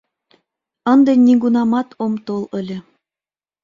– Ынде нигунамат ом тол ыле....